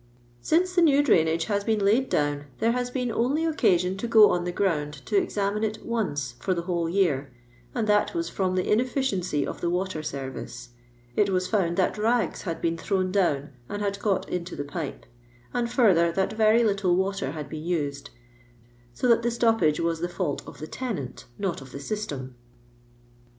Since the new drainage has been laid down there has been only occasion to go on the ground to examine it once for the whole year, and that was from the inefikiency of the water service. It waa found that lags had been thrown down and had got into the pipe ; and further, that very little water had been used, so that the stoppage waa the fisult of the tenant, not of the system.'